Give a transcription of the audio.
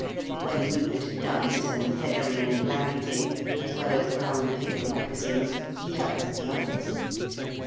When Rupert had done his own feathering and blanketing, as well as brown paper moccasins, he helped the others.